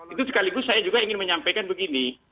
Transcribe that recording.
itu sekaligus saya juga ingin menyampaikan begini